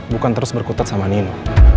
bukan terus berkutat sama nino